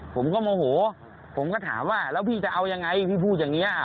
ผมก็โมโหผมก็ถามว่าแล้วพี่จะเอายังไงพี่พูดอย่างนี้